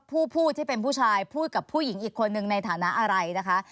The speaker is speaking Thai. ผู้พูดที่เป็นผู้ชายพูดกับผู้หญิงอีกคนนึงในฐานะอะไรนะคะ